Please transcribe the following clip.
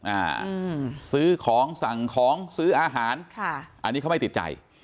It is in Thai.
อ่าอืมซื้อของสั่งของซื้ออาหารค่ะอันนี้เขาไม่ติดใจ